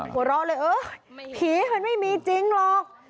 หัวเราะเลยเออผีมันไม่มีจริงหรอก